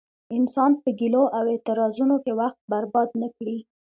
انسان په ګيلو او اعتراضونو کې وخت برباد نه کړي.